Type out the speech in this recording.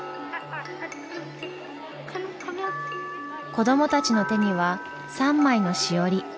子どもたちの手には３枚のしおり。